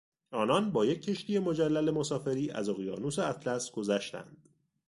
آنان با یک کشتی مجلل مسافری از اقیانوس اطلس گذشتند.